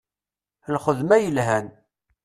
Lxedma yelhan.